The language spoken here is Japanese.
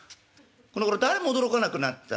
このごろ誰も驚かなくなった。